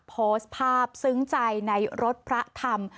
โพสต์ภาพซึ้งใจในรถพระธรรม